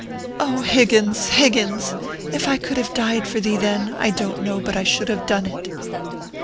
Oh, Higgins, Higgins, if I could have died for thee then, I don t know but I should have done it